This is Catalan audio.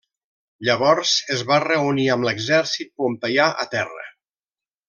Llavors es va reunir amb l’exèrcit pompeià a terra.